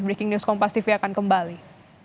breaking news compas tv akan kembali